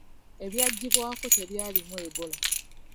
Ebyaggyibwako tebyalimu Ebola.